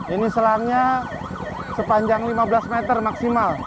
ini selangnya sepanjang lima belas meter maksimal